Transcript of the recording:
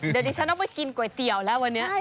เดี๋ยวดิฉันต้องไปกินก๋วยเตี๋ยวแล้ววันนี้